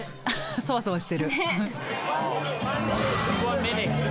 そわそわしてる。